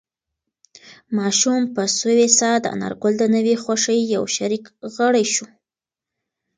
ماشوم په سوې ساه د انارګل د نوې خوښۍ یو شریک غړی شو.